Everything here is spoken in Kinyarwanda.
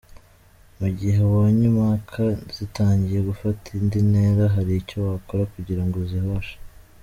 Mu gihe ubonye impaka zitangiye gufata indi ntera, hari icyo wakora kugira ngo uzihoshe.